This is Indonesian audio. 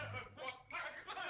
kita mau berdua